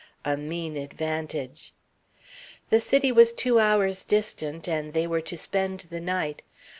A mean advantage. The city was two hours' distant, and they were to spend the night.